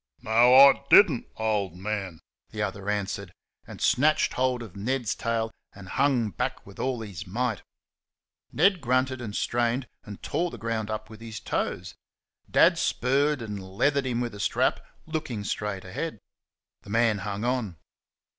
"No, I DID N'T, old man," the other answered, and snatched hold of Ned's tail and hung back with all his might. Ned grunted and strained and tore the ground up with his toes; Dad spurred and leathered him with a strap, looking straight ahead. The man hung on.